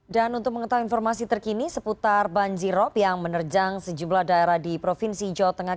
dan untuk mengetahui informasi terkini seputar banjirop yang menerjang sejumlah daerah di provinsi jawa tengah